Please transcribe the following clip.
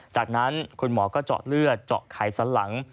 จากนั้นคุณหมอก็เจาะเลือดเจาะไขสันหลัง